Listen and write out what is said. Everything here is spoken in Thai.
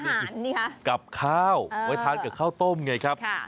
นี่ค่ะกับข้าวไว้ทานกับข้าวต้มไงครับ